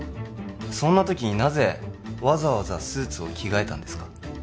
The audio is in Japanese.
そんなときになぜわざわざスーツを着替えたんですか？